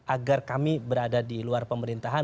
agar kami berada di luar pemerintahan